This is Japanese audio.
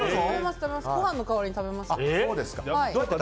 ご飯の代わりに食べます。